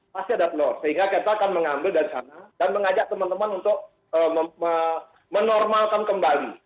pasti ada plore sehingga kita akan mengambil dari sana dan mengajak teman teman untuk menormalkan kembali